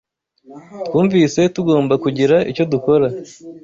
Twumvise tugomba kugira icyo dukora